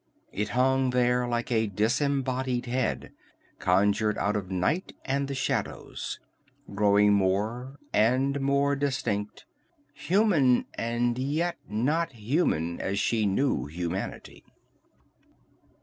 It hung there like a disembodied head, conjured out of night and the shadows, growing more and more distinct; human, and yet not human as she knew humanity.